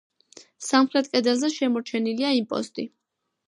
სამხრეთ კედელზე შემორჩენილია იმპოსტი.